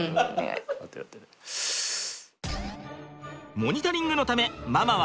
モニタリングのためママは外出。